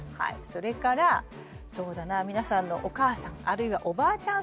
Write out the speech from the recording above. それからそうだな皆さんのお母さんあるいはおばあちゃん